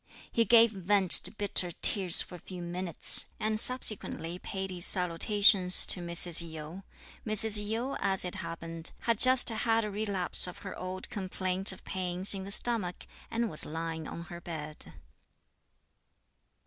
He gave vent to bitter tears for a few minutes, and subsequently paid his salutations to Mrs. Yu. Mrs. Yu, as it happened, had just had a relapse of her old complaint of pains in the stomach and was lying on her bed.